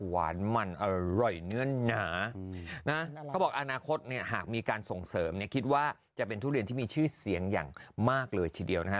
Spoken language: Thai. หวานมันอร่อยเนื่อนหนานะเขาบอกอนาคตเนี่ยหากมีการส่งเสริมเนี่ยคิดว่าจะเป็นทุเรียนที่มีชื่อเสียงอย่างมากเลยทีเดียวนะฮะ